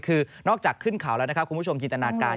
คือนอกจากขึ้นเขาแล้วนะครับคุณผู้ชมจินตนาการ